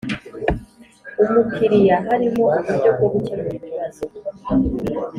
Umukiriya harimo uburyo bwo gukemura ibibazo